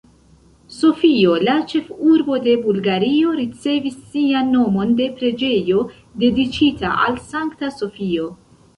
Sofio, la ĉefurbo de Bulgario, ricevis sian nomon de preĝejo dediĉita al Sankta Sofio.